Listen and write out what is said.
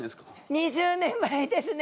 ２０年前ですね。